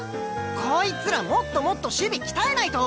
こいつらもっともっと守備鍛えないと。